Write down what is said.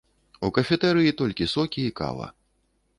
У кафетэрыі толькі сокі і кава.